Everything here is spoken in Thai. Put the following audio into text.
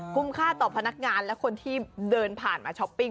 ค่าต่อพนักงานและคนที่เดินผ่านมาช้อปปิ้ง